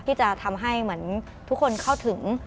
ที่จะทำให้เหมือนทุกคนเข้าถึง